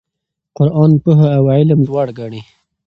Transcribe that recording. قرآن پوهه او علم لوړ ګڼي.